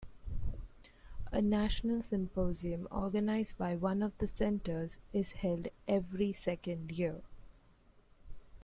A national Symposium, organised by one of the Centres, is held every second year.